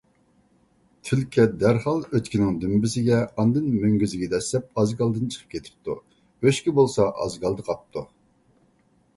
تۈلكە دەرھال ئۆچكىنىڭ دۈمبىسىگە، ئاندىن مۆڭگۈزىگە دەسسەپ ئازگالدىن چىقىپ كېتىپتۇ. ئۆچكە بولسا، ئازگالدا قاپتۇ.